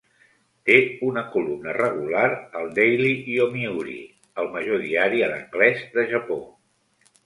Té una columna regular al Daily Yomiuri, el major diari en anglès de Japó.